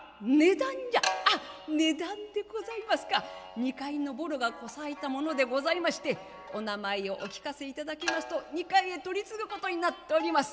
２階のボロがこさえたものでございましてお名前をお聞かせいただきますと２階へ取り次ぐことになっております」。